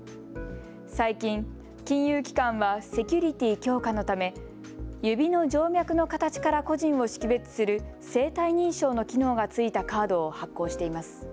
最近、金融機関はセキュリティー強化のため指の静脈の形から個人を識別する生体認証の機能が付いたカードを発行しています。